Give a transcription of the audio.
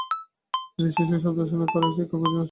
এদের সৃষ্ট শব্দদূষণের কারণে শিক্ষার পরিবেশ নষ্ট হচ্ছে।